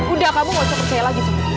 udah kamu gak usah percaya lagi sih